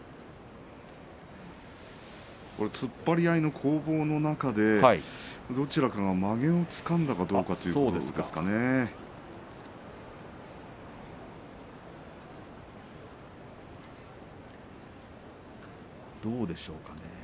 突っ張り合いの攻防の中でどちらかがまげをつかんだということでしょうかね。